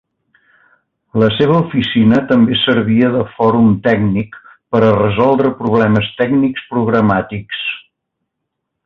La seva oficina també servia de fòrum tècnic per a resoldre problemes tècnics programàtics.